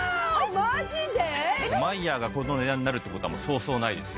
マイヤーがこの値段になるっていう事はもうそうそうないですよ。